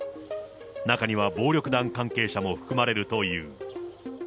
中には暴力団関係者も含まれるという。